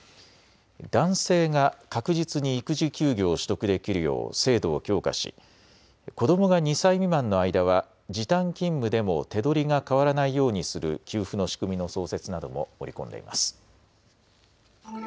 男性が確実に育児休業を取得できるよう制度を強化し子どもが２歳未満の間は時短勤務でも手取りが変わらないようにする給付の仕組みの創設なども盛り込んでいます。